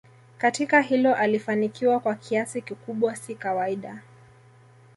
katika hilo alifanikiwa kwa kiasi kikubwa si kawaida